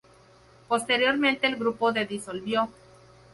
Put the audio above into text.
Posteriormente el grupo de disolvió.